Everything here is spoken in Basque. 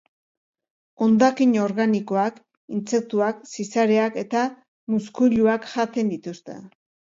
Hondakin organikoak, intsektuak, zizareak eta muskuiluak jaten dituzte.